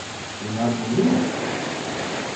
Bunlar doğru mu?